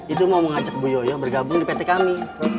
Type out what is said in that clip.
itu mau mengajak bu yoyo bergabung di pt kami